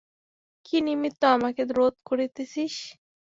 কী নিমিত্ত আমাকে রোধ করিতেছিস?